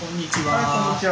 はいこんにちは。